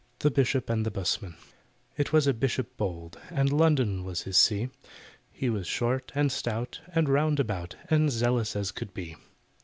THE BISHOP AND THE 'BUSMAN IT was a Bishop bold, And London was his see, He was short and stout and round about And zealous as could be.